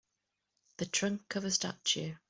The trunk of a statue.